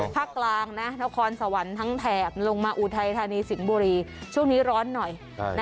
ภาคกลางนะนครสวรรค์ทั้งแถบลงมาอุทัยธานีสิงห์บุรีช่วงนี้ร้อนหน่อย